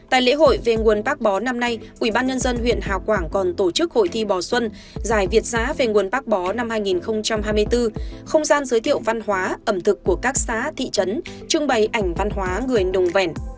tại lễ hội về nguồn bác bó năm nay ubnd huyện hào quảng còn tổ chức hội thi bò xuân giải việt giã về nguồn bác bó năm hai nghìn hai mươi bốn không gian giới thiệu văn hóa ẩm thực của các xã thị trấn trưng bày ảnh văn hóa người đồng vẻn